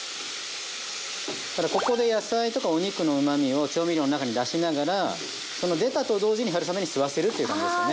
ここで野菜とかお肉のうまみを調味料の中に出しながらその出たと同時に春雨に吸わせるという感じですかね。